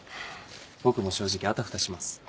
僕も正直あたふたします。